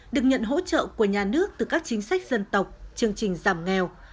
được nhận hỗ trợ của nhà nước từ các chính sách dân tộc chương trình giảm nghèo